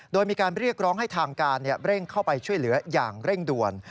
โดยมีการเรียกร้องให้ทางการเร่งเข้าไปช่วยเหลืออย่างเร่งด่วน